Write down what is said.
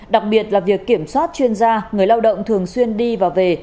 đặc biệt là việc kiểm soát chuyên gia người lao động thường xuyên đi và về